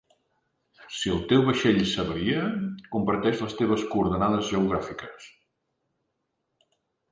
Si el teu vaixell s'avaria, comparteix les teves coordenades geogràfiques.